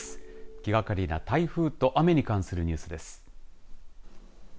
気がかりな台風と雨に関するニュースです。